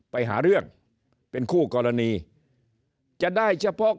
ไปหาเรื่องเป็นคู่กรณีจะได้เฉพาะ